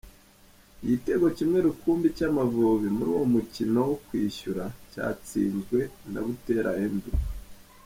Igitego kimwe rukumbi cy’Amavubi muri uwo mukino wo kwishyura, cyatsinzwe na Buteera Andrew.